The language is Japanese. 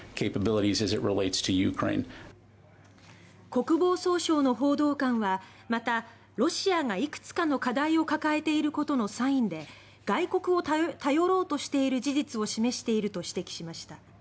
国防総省の報道官はまたロシアがいくつかの課題を抱えていることのサインで外国を頼ろうとしている事実を示していると指摘しました。